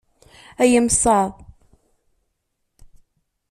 Ay imsaḍ!